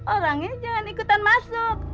orangnya jangan ikutan masuk